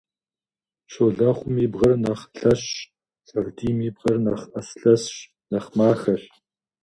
Щолэхъум и бгъэр нэхъ лъэщщ, шагъдийм и бгъэр нэхъ Ӏэслъэсщ, нэхъ махэщ.